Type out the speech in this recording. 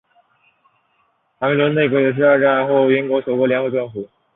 卡梅伦内阁也是二战后英国首个联合政府。